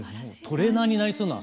トレーナーになれそうな。